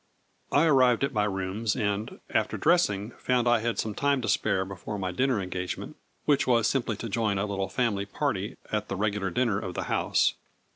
I arrived at my rooms, and, after dressing, found I had some time to spare before my dinner engagement, which was simply to join a little family party at the regular dinner of the house.